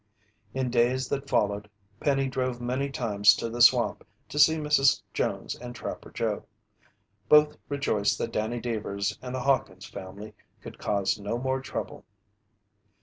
In days that followed, Penny drove many times to the swamp to see Mrs. Jones and Trapper Joe. Both rejoiced that Danny Deevers and the Hawkins family could cause no more trouble.